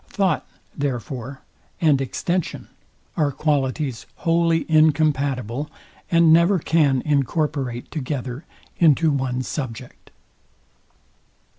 Thought, therefore, and extension are qualities wholly incompatible, and never can incorporate together into one subject.